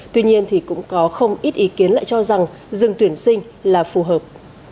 tuy nhiên thì cũng có không ít ý kiến lại cho rằng dừng tuyển sinh là phù hợp